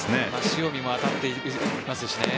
塩見も当たってきていますしね。